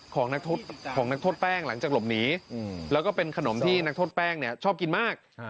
ของนักโทษแป้งหลังจากหลบหนีแล้วก็เป็นขนมที่นักโทษแป้งชอบกินมาก